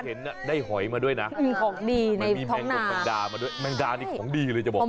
ที่เห็นน่ะได้หอยมาด้วยนะมีพ็อตแม่งตับแม่งด้านี่ของดีเลยจะบอก